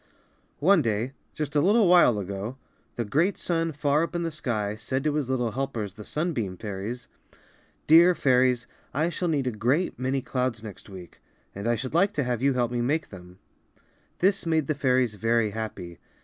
One day, just a little while ago, the great sun far up in the sky said to his little helpers, the sunbeam fairies, ^^Dear Fairies, I shall need a great many clouds next week; and I should like to have you help me make them/^ This made the fairies very happy.